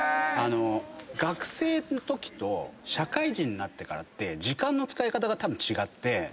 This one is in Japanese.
学生のときと社会人になってからって時間の使い方がたぶん違って。